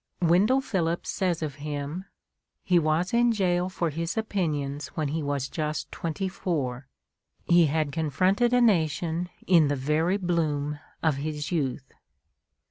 Wendell Phillips says of him, "He was in jail for his opinions when he was just twenty four. He had confronted a nation in the very bloom of his youth."